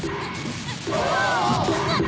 あっ！